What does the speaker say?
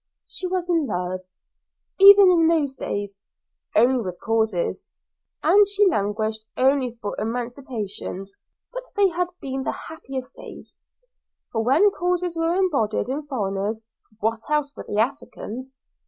She was in love, even in those days, only with causes, and she languished only for emancipations. But they had been the happiest days, for when causes were embodied in foreigners (what else were the Africans?)